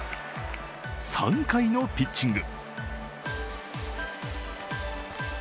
３回のピッチング。